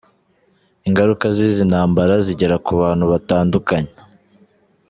Ingaruka z’izi ntambara zigera ku bantu batandukanye.